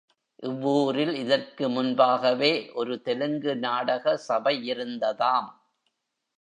இவ்வூரில் இதற்கு முன்பாகவே ஒரு தெலுங்கு நாடக சபையிருந்ததாம்.